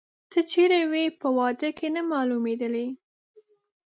ته چیري وې، په واده کې نه مالومېدلې؟